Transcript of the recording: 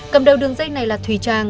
cầm đầu đường dây này là thùy trang